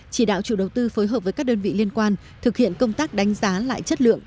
chỉ đạo chủ đầu tư phối hợp với các đơn vị liên quan thực hiện công tác đánh giá lại chất lượng